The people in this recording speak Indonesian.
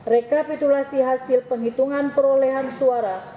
rekapitulasi hasil penghitungan perolehan suara